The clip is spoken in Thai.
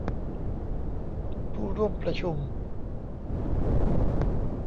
ผู้ร่วมประชุม